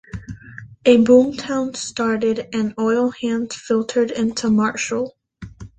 A boom town started and oil hands filtered into Marshall.